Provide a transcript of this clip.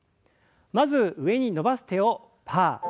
まず上に伸ばす手をパー。